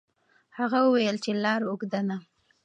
هغه وویل چې لار اوږده ده.